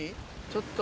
ちょっと。